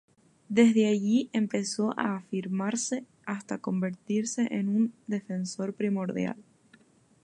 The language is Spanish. Desde allí, empezó a afirmarse hasta convertirse en un defensor primordial.